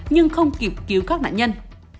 nhưng không kịp cứu các nạn nhân